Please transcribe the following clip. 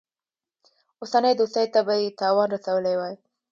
اوسنۍ دوستۍ ته به یې تاوان رسولی وای.